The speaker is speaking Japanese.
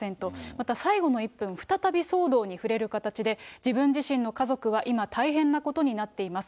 また最後の１分、再び騒動に触れる形で、自分自身の家族は今、大変なことになっています。